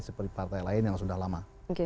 seperti partai lain yang sudah lama